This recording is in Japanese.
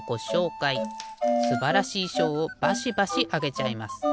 すばらしいしょうをバシバシあげちゃいます。